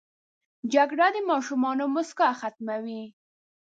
جګړه د ماشومانو موسکا ختموي